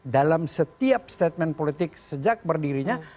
dalam setiap statement politik sejak berdirinya